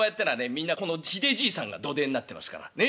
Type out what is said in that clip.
みんなこのひでじいさんが土台になってますから。ね？